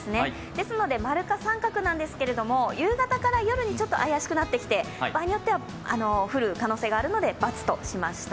ですので○か△ですが夕方から夜にちょっと怪しくなってきて場合によっては降る可能性があるので×としました。